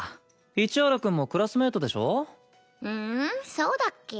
そうだっけ？